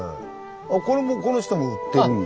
あっこれもこの人も売ってるんだ。